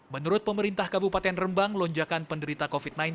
menurut pemerintah kabupaten rembang lonjakan penderita covid sembilan belas